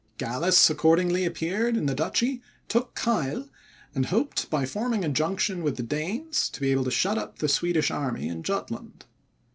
Gallas accordingly appeared in the duchy, took Keil, and hoped, by forming a junction with the Danes, to be able to shut up the Swedish army in Jutland.